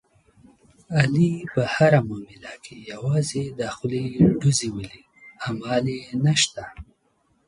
علي په هره معامله کې یوازې د خولې ډوزې ولي، عمل یې نشته.